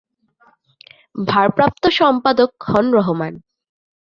ভারপ্রাপ্ত সম্পাদক হন রহমান।